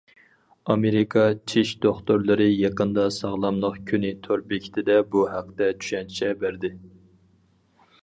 ئامېرىكا چىش دوختۇرلىرى يېقىندا« ساغلاملىق كۈنى» تور بېكىتىدە بۇ ھەقتە چۈشەنچە بەردى.